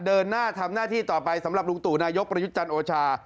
เดินหน้าทำหน้าที่ต่อไปสำหรับลุงตู่นายกประยุทธ์จันทร์โอชา